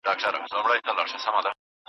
په لاس لیکل د دننه غږونو اوریدل دي.